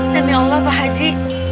nama allah pak haji